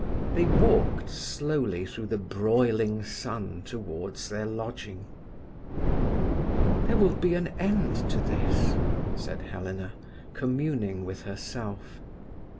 They walked slowly through the broiling sun towards their lodging. "There will be an end to this," said Helena, communing with herself.